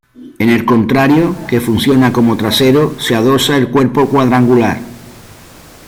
En el contrario, que funciona como trasero, se adosa el cuerpo cuadrangular.